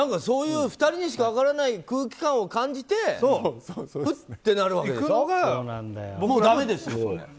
そういう２人にしか分からない空気感を感じてふってなるわけでしょ。